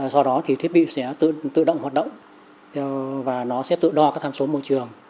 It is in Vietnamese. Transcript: sau đó thì thiết bị sẽ tự động hoạt động và nó sẽ tự đo các tham số môi trường